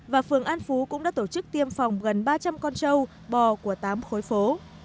và phường an phú cũng đã tổ chức tiêm phòng gần ba trăm linh con trâu bò của tám khối phố